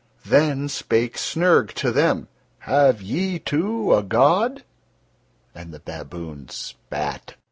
Then spake Snyrg to them: "Have ye, too, a god?" And the baboons spat.